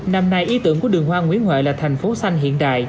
năm nay ý tưởng của đường hoa nguyễn huệ là thành phố xanh hiện đại